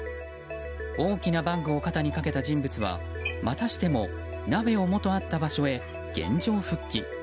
大きなバッグを肩にかけた人物はまたしても鍋を元あった場所へ原状復帰。